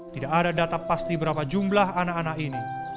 tidak ada data pasti berapa jumlah anak anak ini